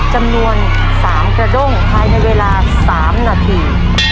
จำนวน๓กระด้งภายในเวลา๓นาที